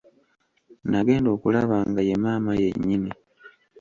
Nagenda okulaba nga ye maama ye nnyini.